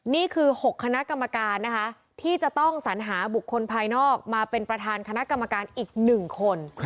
นี่คือ๖คณะกรรมการนะคะที่จะต้องสัญหาบุคคลภายนอกมาเป็นประธานคณะกรรมการอีก๑คน